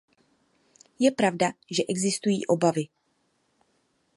Je pravda, že existují obavy.